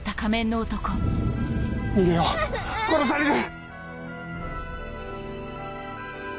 逃げよう殺される！